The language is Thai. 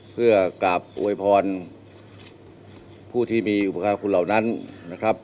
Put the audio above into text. เพื่อกราบอวยพรผู้ที่มีอุปการคุณเหล่านั้นนะครับ